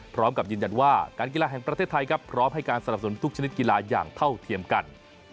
พร้อมกับยืนยันว่าการกีฬาแห่งประเทศไทยครับพร้อมให้การสนับสนุนทุกชนิดกีฬาอย่างเท่าเทียมกัน